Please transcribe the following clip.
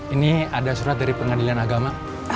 ini ada surat dari pengadilan agama